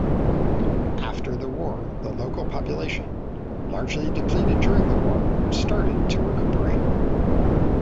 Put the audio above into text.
After the war the local population, largely depleted during the war, started to recuperate.